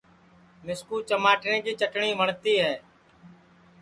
مِسکُو چماٹرے کی چٹٹؔی وٹؔتی ہے